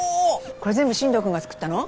これ全部新藤君が作ったの？